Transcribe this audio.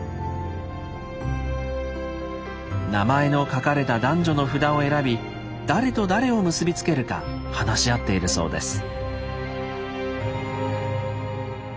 名前の書かれた男女の札を選び誰と誰を結び付けるか話し合っているそうです。